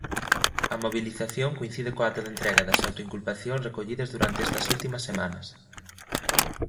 A mobilización coincide co acto de entrega das autoinculpacións recollidas durante estas últimas semanas.